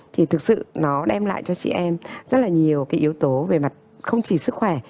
thì thực sự nó đem lại cho chị em rất là nhiều cái yếu tố về mặt không chỉ sức khỏe